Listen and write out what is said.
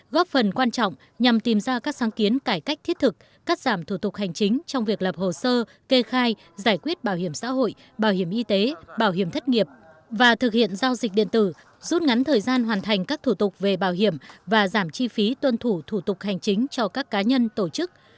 góp phần quan trọng nhằm tìm ra các sáng kiến cải cách thiết thực cắt giảm thủ tục hành chính trong việc lập hồ sơ kê khai giải quyết bảo hiểm xã hội bảo hiểm y tế bảo hiểm thất nghiệp và thực hiện giao dịch điện tử rút ngắn thời gian hoàn thành các thủ tục về bảo hiểm và giảm chi phí tuân thủ thủ tục hành chính cho các cá nhân tổ chức